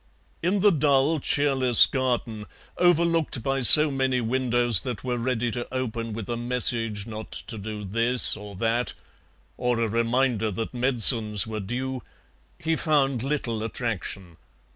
In the dull, cheerless garden, overlooked by so many windows that were ready to open with a message not to do this or that, or a reminder that medicines were due, he found little attraction.